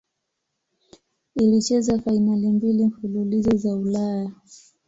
ilicheza fainali mbili mfululizo za ulaya